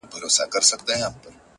• اووه کاله خلکو وکرل کښتونه -